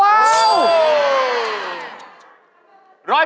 ว้าว